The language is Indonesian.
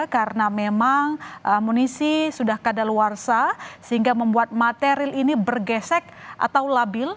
karena memang munisi sudah kadaluarsa sehingga membuat material ini bergesek atau labil